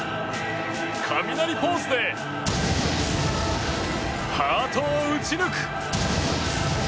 雷ポーズでハートを撃ち抜く！